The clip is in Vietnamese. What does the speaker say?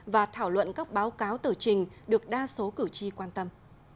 và thảo luận các báo cáo tử trình được đa số cử tri quan tâm